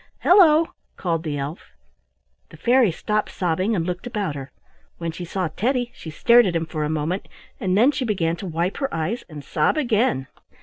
"Hello!" called the elf. The fairy stopped sobbing and looked about her. When she saw Teddy she stared at him for a moment and then she began to wipe her eyes and sob again.